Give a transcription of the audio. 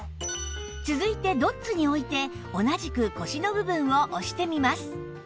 続いてドッツに置いて同じく腰の部分を押してみます